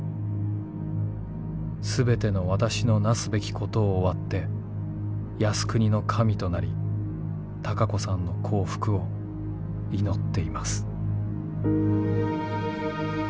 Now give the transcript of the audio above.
全ての私のなすべきことを終わって靖国の神となり孝子さんの幸福を祈っています」。